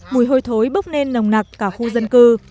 mùi hôi thối bốc lên nồng nặc cả khu dân cư